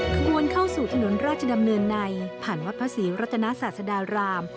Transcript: ข้างวนเข้าสู่ถนนราชดำเนินในผ่านวัดภาษีรัตนสาธาราม